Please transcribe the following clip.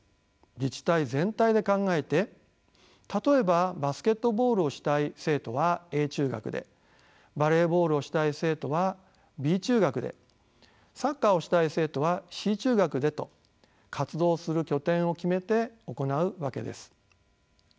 自治体全体で考えて例えばバスケットボールをしたい生徒はＡ中学でバレーボールをしたい生徒はＢ中学でサッカーをしたい生徒はＣ中学でと活動する拠点を決めて行うわけです。